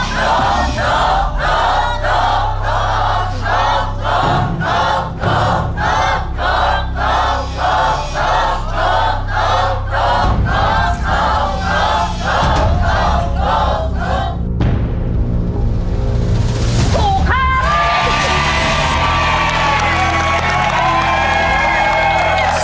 ถูกต้อง